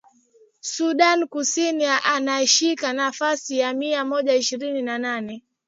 Sudan Kusini inashika nafasi ya mia moja ishirini na nane